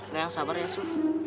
neng sabar ya su